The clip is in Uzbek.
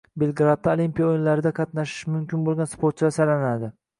Belgradda olimpiya o‘yinlarida qatnashishi mumkin bo‘lgan sportchilar saralanading